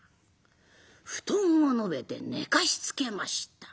布団を延べて寝かしつけました。